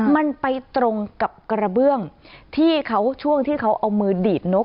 มันไปตรงกับกระเบื้องที่เขาช่วงที่เขาเอามือดีดนก